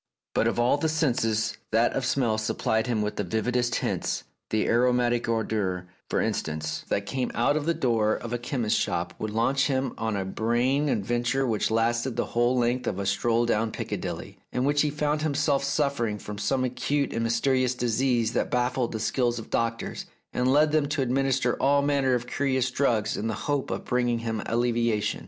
But of all the senses, that of smell supplied him with the vividest hints : the aromatic odour, for instance, that came out of the door of a chemist's shop would launch him on a brain adventure which lasted the whole length of a stroll down Piccadilly, in which he felt himself suffering from some acute and mysterious disease that baffled the skill of doctors, and led them to administer all manner of curious drugs in the hope of bringing him allevia tion.